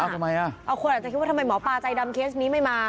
เอาคนอาจจะคิดว่าทำไมหมอปลาใจดำเคสนี้ไม่มา